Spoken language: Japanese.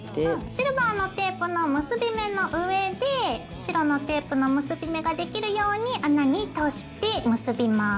シルバーのテープの結び目の上で白のテープの結び目ができるように穴に通して結びます。